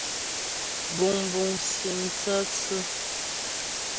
Buŋbuŋ sim tsə́tsʉ́.